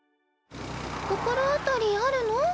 心当たりあるの？